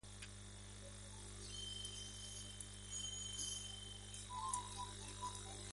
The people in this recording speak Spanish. Durante este período, fue dos veces ausente por razones militares.